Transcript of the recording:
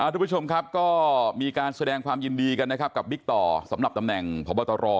ทุกผู้ชมครับก็มีการแสดงความยินดีกันนะครับกับบิ๊กต่อสำหรับตำแหน่งพบตร